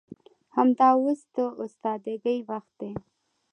همدا اوس د استادګۍ وخت دى.